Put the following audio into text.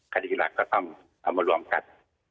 คดีหลักก็ต้องลองก็ล่วงกัน